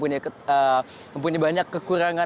yang mempunyai banyak kekurangan